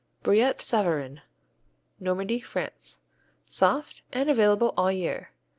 Brillat Savarin Normandy, France Soft, and available all year.